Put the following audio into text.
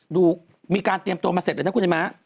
มีการเตรียมตัวมาเสร็จเลยนะคุณไอ้ม้า